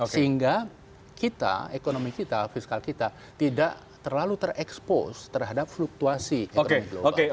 sehingga kita ekonomi kita fiskal kita tidak terlalu terekspos terhadap fluktuasi ekonomi global